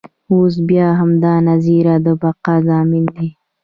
اوس بیا همدا نظریه د بقا ضامن دی.